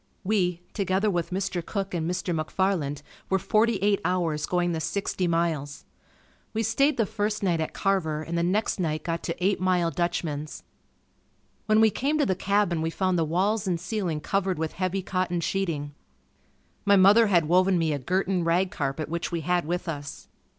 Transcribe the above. We, together with Mr. Cook and Mr. McFarland were forty eight hours going the sixty miles. We stayed the first night at Carver and the next night got to "Eight Mile Dutchman's." When we came to the cabin we found the walls and ceiling covered with heavy cotton sheeting. My mother had woven me a Gerton rag carpet which we had with us.